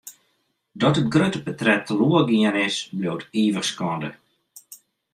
Dat it grutte portret teloar gien is, bliuwt ivich skande.